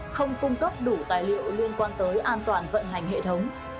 không cung cấp đủ tài liệu liên quan tới an toàn vận hành hệ thống